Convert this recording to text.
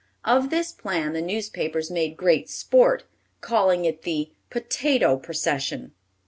Of this plan the newspapers made great sport, calling it the "potato procession."